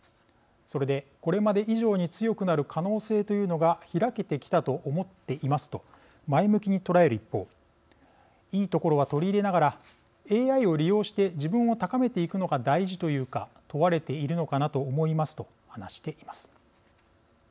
それで、これまで以上に強くなる可能性というのが開けてきたと思っています」と前向きに捉える一方「いいところは取り入れながらＡＩを利用して自分を高めていくのが大事というか問われているのかなと思います」と話しています。